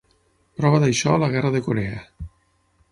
Prova d’això la Guerra de Corea.